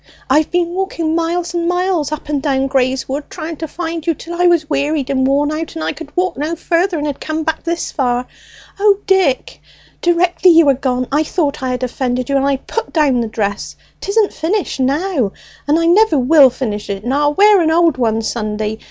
I've been walking miles and miles up and down Grey's Wood, trying to find you, till I was wearied and worn out, and I could walk no further, and had come back this far! O Dick, directly you were gone, I thought I had offended you and I put down the dress; 'tisn't finished now, and I never will finish, it, and I'll wear an old one Sunday!